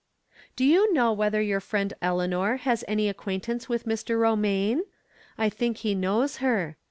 Do you know whether your friend Eleanor has any acquaintance with Mr. Romaine? I tliink he knows her.